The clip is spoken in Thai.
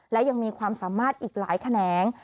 และยังมีความสามารถอีกหลายแขนง